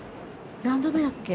何度目だっけ？